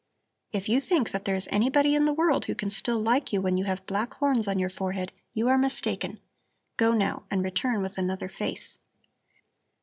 If you think that there is anybody in the world who can still like you when you have black horns on your forehead, you are mistaken. Go, now, and return with another face."